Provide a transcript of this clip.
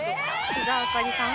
須田亜香里さん。